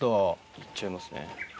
行っちゃいますね。